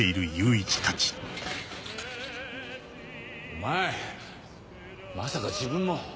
お前まさか自分も。